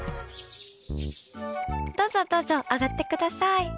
どうぞ、どうぞ上がってください！